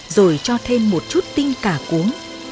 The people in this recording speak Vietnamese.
rồi cho thêm một chút tinh cả cuống